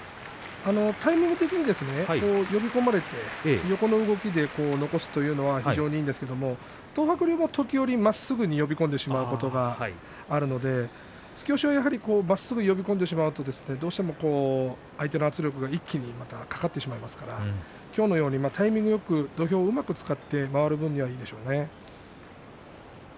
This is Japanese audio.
タイミング的に呼び込まれて横の動きで残すというのは非常にいいんですけれども東白龍は時折、まっすぐに呼び込んでしまうことがあるので突き押しはやっぱりまっすぐ呼び込んでしまうとどうしても相手の圧力が一気にかかってしまいますから今日のようにタイミングよく土俵をうまく使って回る分にはいいでしょうね。